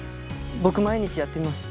僕毎日やってみます。